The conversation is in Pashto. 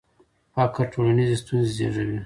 فقر ټولنیزې ستونزې زیږوي.